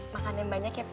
makan yang banyak ya pi